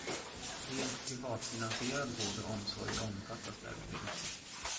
Helt privatfinansierad vård och omsorg omfattas därmed inte.